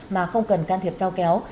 mà không cần can thiệp dao kéo